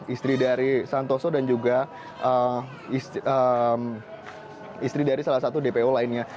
istri dari santoso dan juga istri dari salah satu dpo lainnya